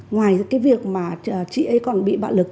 ngoài việc chị ấy còn bị bạo lực